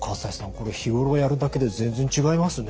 これ日頃やるだけで全然違いますね。